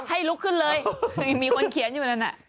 ให้ลุกขึ้นเลยมีคนเขียนอยู่นั่นน่ะ